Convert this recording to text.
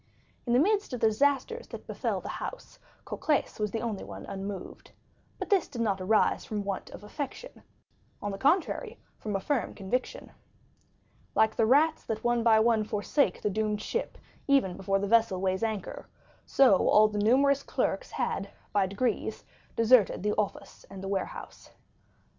In the midst of the disasters that befell the house, Cocles was the only one unmoved. But this did not arise from a want of affection; on the contrary, from a firm conviction. Like the rats that one by one forsake the doomed ship even before the vessel weighs anchor, so all the numerous clerks had by degrees deserted the office and the warehouse.